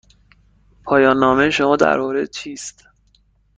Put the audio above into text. پایان نامه شما درباره چیست؟